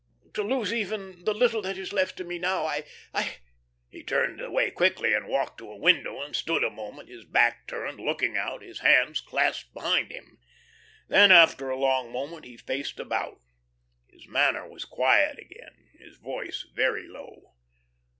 To lose even the little that is left to me now. I I " He turned away quickly and walked to a window and stood a moment, his back turned, looking out, his hands clasped behind him. Then, after a long moment, he faced about. His manner was quiet again, his voice very low.